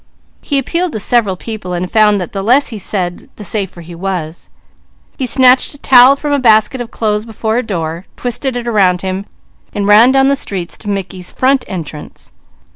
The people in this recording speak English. He appealed to several people, and found that the less he said the safer he was. He snatched a towel from a basket of clothes before a door, twisted it around him, and ran down the street to Mickey's front entrance.